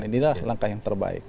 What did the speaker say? inilah langkah yang terbaik